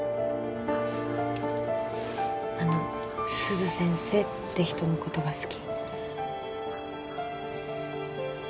あの鈴先生って人の事が好き？